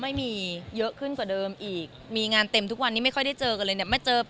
ไม่มีเยอะขึ้นกว่าเดิมอีกมีงานเต็มทุกวันนี้ไม่ค่อยได้เจอกันเลยเนี่ยมาเจอ